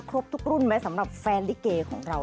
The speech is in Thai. ทุกรุ่นไหมสำหรับแฟนลิเกของเรา